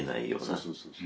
そうそうそうそう。